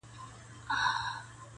ځواني مرګ دي سم چي نه به در جارېږم.